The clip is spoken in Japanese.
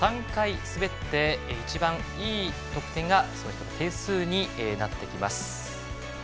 ３回滑って一番いい得点がその人の点数になってきます。